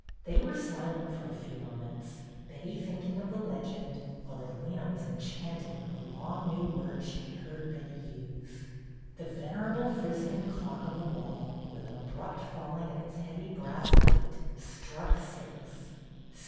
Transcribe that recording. They were silent for a few moments, Betty thinking of the legend, while Edwyna was enchanted with the long new word she had heard Betty use. The venerable Frisian clock on the wall, with an abrupt falling of its heavy brass weight, struck six.